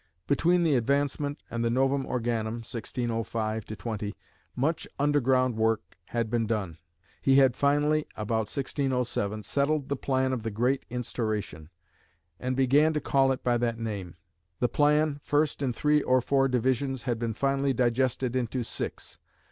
Between the Advancement and the Novum Organum (1605 20) much underground work had been done. "He had finally (about 1607) settled the plan of the Great Instauration, and began to call it by that name." The plan, first in three or four divisions, had been finally digested into six.